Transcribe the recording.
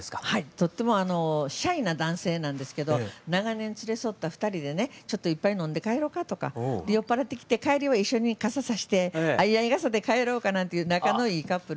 とってもシャイな男性なんですけど長年連れ添った２人でねちょっと１杯飲んで帰ろうかとか酔っ払ってきて帰りは一緒に傘差して相合い傘で帰ろうかなんていう仲のいいカップルの歌ですね。